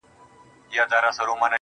• لږه توده سومه زه.